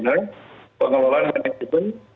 pengelolaan manajemen di perusahaan hutan barang